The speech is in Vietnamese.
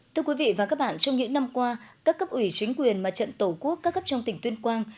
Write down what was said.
thưa quý vị và các bạn trong những năm qua các cấp ủy chính quyền mặt trận tổ quốc các cấp trong tỉnh tuyên quang